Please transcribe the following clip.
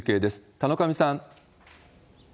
田上さん。